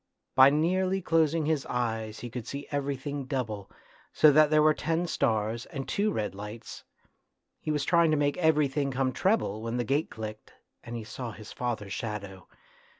By nearly closing his eyes he could see everything double, so that there were ten stars and two A TRAGEDY IN LITTLE 97 red lights ; he was trying to make everything come treble when the gate clicked and he saw his father's shadow.